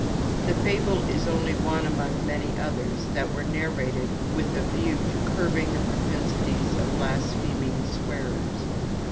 This fable is only one among many others that were narrated with a view to curbing the propensities of blaspheming swearers.